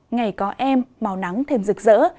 ngày có em màu nắng thêm rực rỡ